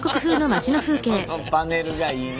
このパネルがいいね。